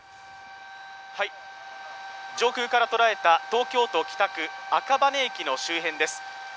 上空から捉えた東京都北区赤羽駅の周辺です。